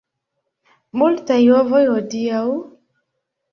Multaj ovoj hodiaŭ?